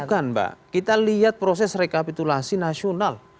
bukan mbak kita lihat proses rekapitulasi nasional